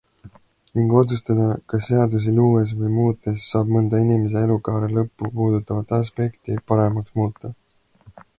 Ning otsustada, kas seadusi luues või muutes saab mõnda inimese elukaare lõppu puudutavat aspekti paremaks muuta.